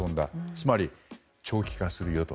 つまり、長期化するよと。